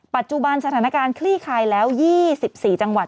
ปัจจุบันสถานการณ์คลี่คลายแล้ว๒๔จังหวัด